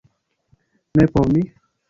- Ne por mi?